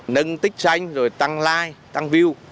nâng tích danh rồi tăng like tăng view